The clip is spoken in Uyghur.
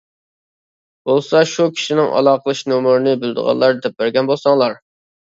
بولسا شۇ كىشىنىڭ ئالاقىلىشىش نومۇرنى بىلىدىغانلار دەپ بەرگەن بولساڭلار!